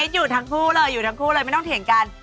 อย่างนี้อยู่ทั้งคู่เลยไม่ต้องเถียงกัน